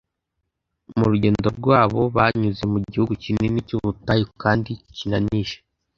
mu rugendo rwabo, banyuze mu gihugu kinini cy’ubutayu kandi kinanije.